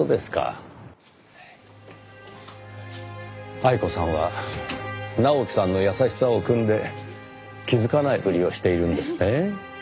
愛子さんは直樹さんの優しさをくんで気づかないふりをしているんですね。